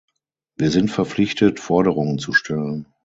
Wir sind verpflichtet, Forderungen zu stellen.